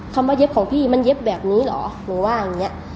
คำว่าเย็บของพี่มันเย็บแบบนี้เหรอหนูว่าอย่างเงี้ย